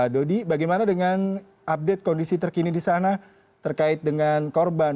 dodi bagaimana dengan update kondisi terkini di sana terkait dengan korban